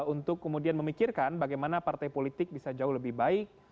untuk kemudian memikirkan bagaimana partai politik bisa jauh lebih baik